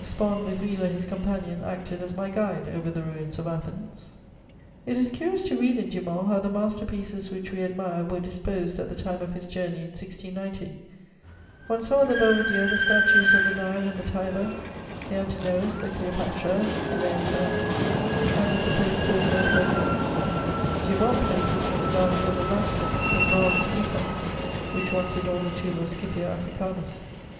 Spon, with Wheler, his companion, acted as my guide over the ruins of Athens. [Sidenote: Dumont, Addison, Labat.] It is curious to read in Dumont how the master pieces which we admire were disposed at the time of his journey in 1690: one saw at the Belvedere the statues of the Nile and the Tiber, the Antinous, the Cleopatra, the Laocoon and the supposed torso of Hercules. Dumont places in the gardens of the Vatican "the bronze peacocks which once adorned the tomb of Scipio Africanus."